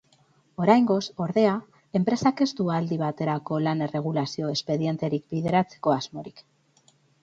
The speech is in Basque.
Oraingoz, ordea, enpresak ez du aldi baterako lan-erregulazioko espedienterik bideratzeko asmorik.